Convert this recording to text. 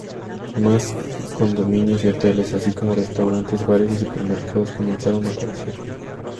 Más condominios y hoteles, así como restaurantes, bares y supermercados comenzaron a aparecer.